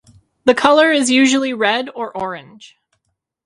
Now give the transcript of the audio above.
The color is usually red or orange.